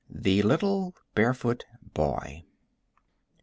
The Little Barefoot Boy.